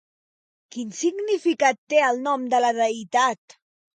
Quin significat té el nom de la deïtat?